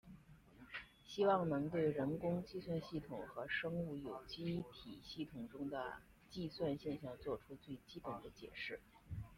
希望能对人工计算系统和生物有机体系统中的计算现象做出最基本的解释。